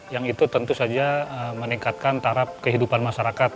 yang itu tentu saja meningkatkan tarap kehidupan masyarakat